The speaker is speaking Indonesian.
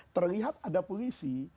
terlihat ada polisi